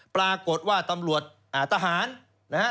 ปรากฏว่าตำรวจอ่าตำรวจนะฮะ